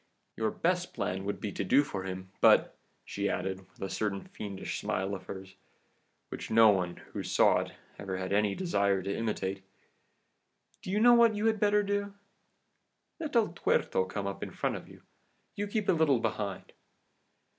Your best plan would be to do for him, but,' she added, with a certain fiendish smile of hers, which no one who saw it ever had any desire to imitate, 'do you know what you had better do? Let El Tuerto come up in front of you. You keep a little behind.